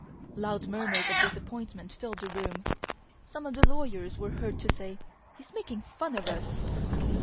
Loud murmurs of disappointment filled the room. Some of the lawyers were heard to say: "He's making fun of us!"